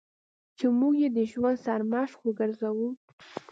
چې موږ یې د ژوند سرمشق وګرځوو.